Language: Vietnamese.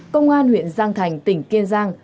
công an huyện giang thành tỉnh kiên giang